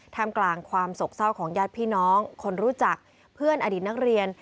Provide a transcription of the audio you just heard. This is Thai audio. ทำกลางความโศกเศร้าของญาติพี่น้องคนรู้จักเพื่อนอดีตนักเรียน